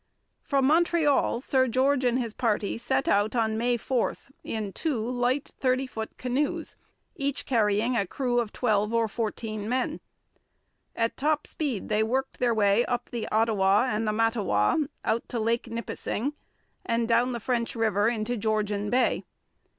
From Montreal Sir George and his party set out on May 4 in two light thirty foot canoes, each carrying a crew of twelve or fourteen men. At top speed they worked their way up the Ottawa and the Mattawa out to Lake Nipissing, and down the French River into Georgian Bay.